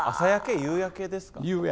夕焼けです。